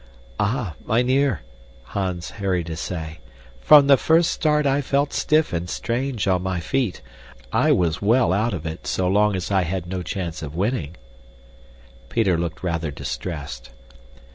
"Ah, mynheer," Hans hurried to say, "from the first start I felt stiff and strange on my feet. I was well out of it so long as I had no chance of winning." Peter looked rather distressed.